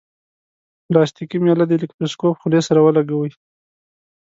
پلاستیکي میله د الکتروسکوپ خولې سره ولګوئ.